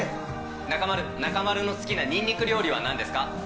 中丸、中丸の好きなニンニク料理はなんですか？